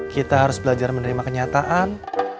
kita harus belajar menerima kenyataan